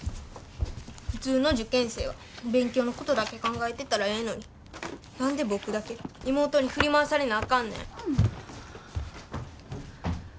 普通の受験生は勉強のことだけ考えてたらええのに何で僕だけ妹に振り回されなあかんねん。